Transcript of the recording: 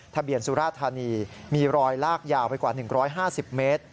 ทะเบียนสุรธานีมีรอยลากยาวไปกว่า๑๕๐เมตร